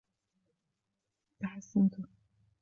تحسنت.